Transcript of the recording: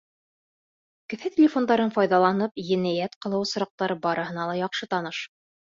Кеҫә телефондарын файҙаланып, енәйәт ҡылыу осраҡтары барыһына ла яҡшы таныш.